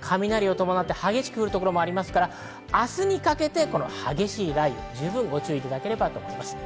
雷を伴って激しく降るところもありますから、明日にかけて激しい雷雨に十分にご注意いただきたいです。